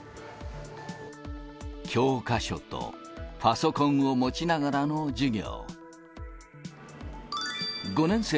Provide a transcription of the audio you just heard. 教科書とパソコンを持ちながらの授業。